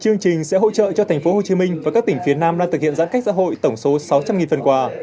chương trình sẽ hỗ trợ cho tp hcm và các tỉnh phía nam đang thực hiện giãn cách xã hội tổng số sáu trăm linh phần quà